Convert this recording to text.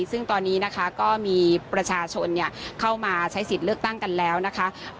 ซึ่งตอนนี้นะคะก็มีประชาชนเข้ามาใช้สิทธิ์เลือกตั้งกันแล้วนะคะ